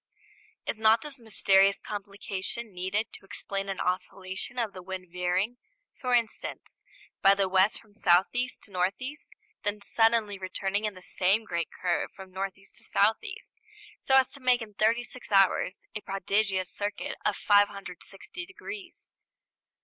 Is not this mysterious complication needed to explain an oscillation of the wind veering, for instance, by the west from south east to north east, then suddenly returning in the same great curve from north east to south east, so as to make in thirty six hours a prodigious circuit of 560 degrees?